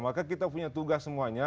maka kita punya tugas semuanya